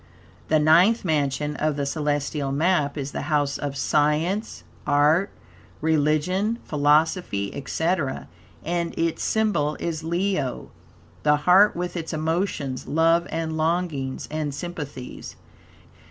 The Ninth Mansion of the celestial map is the House of Science, Art, Religion, Philosophy, etc., and its symbol is Leo, the Heart, with its emotions, love, and longings, and sympathies.